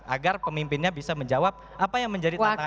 agar pemimpinnya bisa menjawab apa yang menjadi tantangan